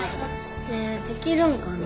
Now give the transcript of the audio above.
えできるんかな。